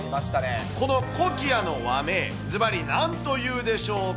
このコキアの和名、ずばり、なんというでしょうか。